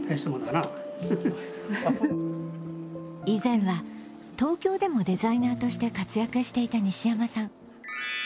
以前は東京でもデザイナーとして活躍していた西山さん。